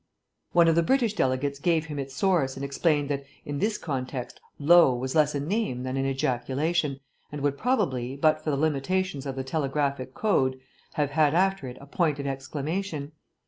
One of the British delegates gave him its source and explained that, in this context, "lo" was less a name than an ejaculation, and would probably, but for the limitations of the telegraphic code, have had after it a point of exclamation.